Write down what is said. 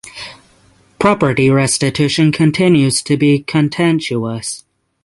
Property restitution continues to be contentious.